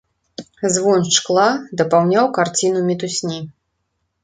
Звон шкла дапаўняў карціну мітусні.